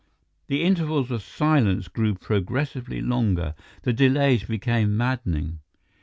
The intervals of silence grew progressively longer; the delays became maddening.